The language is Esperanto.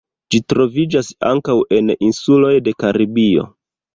Ĝi troviĝas ankaŭ en insuloj de Karibio.